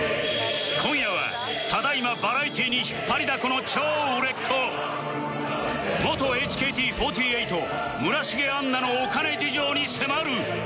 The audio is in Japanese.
今夜はただ今バラエティーに引っ張りだこの超売れっ子元 ＨＫＴ４８ 村重杏奈のお金事情に迫る！